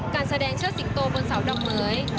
การแสดงเชิดสิงโตบนเสาดอกเหมือย